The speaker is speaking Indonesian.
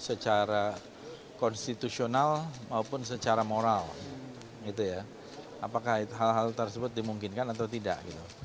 secara konstitusional maupun secara moral apakah hal hal tersebut dimungkinkan atau tidak gitu